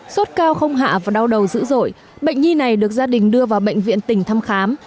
sốt cao không hạ và đau đầu dữ dội bệnh nhi này được gia đình đưa vào bệnh viện tỉnh thăm khám